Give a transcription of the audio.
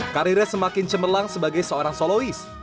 karirnya semakin cemerlang sebagai seorang solois